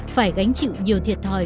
phải gánh chịu nhiều thiệt thòi